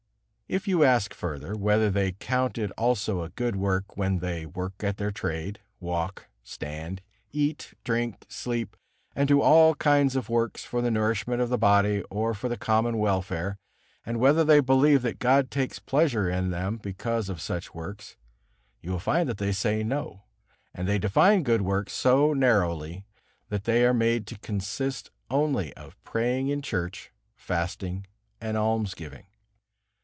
If you ask further, whether they count it also a good work when they work at their trade, walk, stand, eat, drink, sleep, and do all kinds of works for the nourishment of the body or for the common welfare, and whether they believe that God takes pleasure in them because of such works, you will find that they say, "No"; and they define good works so narrowly that they are made to consist only of praying in church, fasting, and almsgiving.